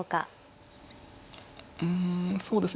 うんそうですね